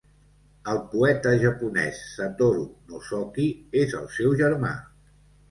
El poeta japonès Satoru Nozoki és el seu germà.